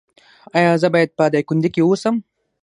ایا زه باید په دایکندی کې اوسم؟